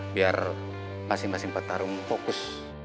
biar masing masing petarung fokus